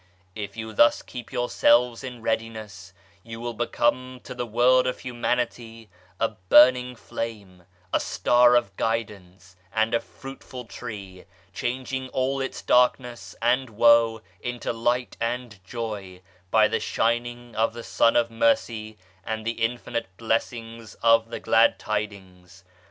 If you thus keep yourselves in readiness, you will become to the World of Humanity a burning flame, a star of guidance, and a fruitful tree, changing all its darkness and woe into Light and Joy by the shining of the Sun of Mercy and the infinite blessings of the Glad Tidings.